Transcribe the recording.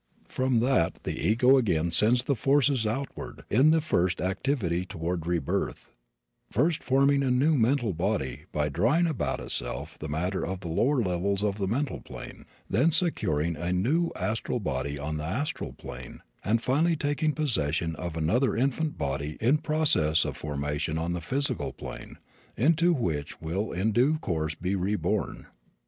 From that the ego again sends the forces outward, in the first activity toward rebirth, first forming a new mental body by drawing about itself the matter of the lower levels of the mental plane, then securing a new astral body on the astral plane and finally taking possession of another infant body in process of formation on the physical plane, into which it will in due course be reborn.